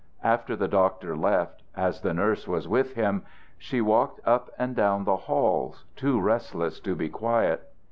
After the doctor left, as the nurse was with him, she walked up and down the halls, too restless to be quiet.